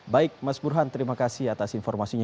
baik mas burhan terima kasih atas informasinya